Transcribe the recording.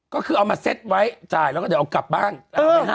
ก็คือเอามาเซ็ตไว้จ่ายแล้วก็เดี๋ยวกลับบ้าง